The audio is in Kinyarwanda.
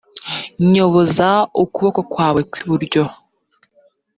nyoboza ukuboko kwawe kw iburyo